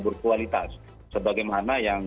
berkualitas sebagaimana yang